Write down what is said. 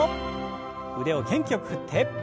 腕を元気よく振って。